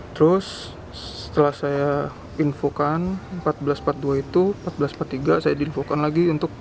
terus setelah saya infokan empat belas empat puluh dua itu empat belas empat puluh tiga saya diinfokan lagi